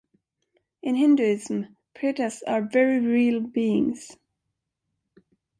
In Hinduism Pretas are very real beings.